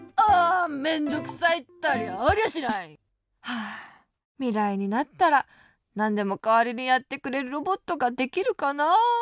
ハァみらいになったらなんでもかわりにやってくれるロボットができるかなあ。